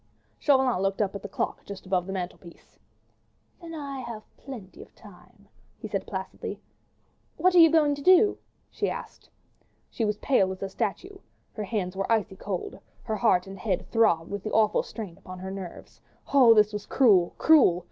'" Chauvelin looked up at the clock just above the mantelpiece. "Then I have plenty of time," he said placidly. "What are you going to do?" she asked. She was pale as a statue, her hands were icy cold, her head and heart throbbed with the awful strain upon her nerves. Oh, this was cruel! cruel!